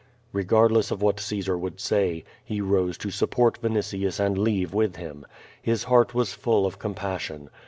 Regardless of what Caesar woijld say, he rose to support Vinitius and leave with him. His heart was full of compassion.